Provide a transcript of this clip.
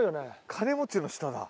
金持ちの下だ。